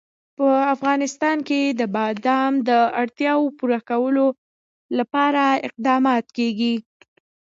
په افغانستان کې د بادام د اړتیاوو پوره کولو لپاره اقدامات کېږي.